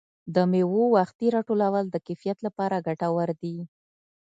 د مېوو وختي راټولول د کیفیت لپاره ګټور دي.